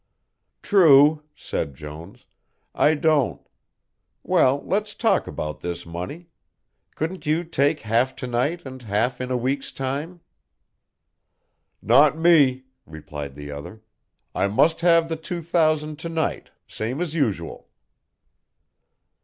"True," said Jones. "I don't well, let's talk about this money. Couldn't you take half to night, and half in a week's time?" "Not me," replied the other. "I must have the two thousand to night, same as usual."